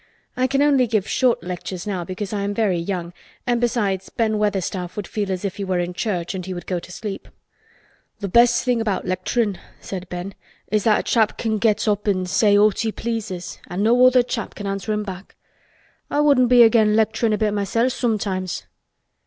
I can only give short lectures now because I am very young, and besides Ben Weatherstaff would feel as if he were in church and he would go to sleep." "Th' best thing about lecturin'," said Ben, "is that a chap can get up an' say aught he pleases an' no other chap can answer him back. I wouldn't be agen' lecturin' a bit mysel' sometimes."